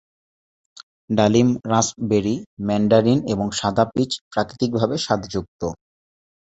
ডালিম raspberry, mandarin এবং সাদা পীচ প্রাকৃতিকভাবে স্বাদযুক্ত।